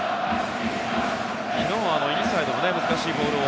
昨日はインサイドの難しいボールを。